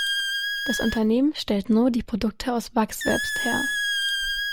Das Unternehmen stellt nur die Produkte aus Wachs selbst her.